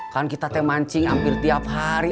kan kita teh mancing hampir tiap hari